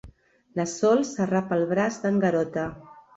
La Sol s'arrapa al braç d'en Garota.